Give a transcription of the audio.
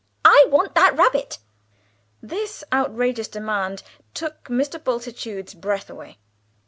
"I want that rabbit." This outrageous demand took Mr. Bultitude's breath away.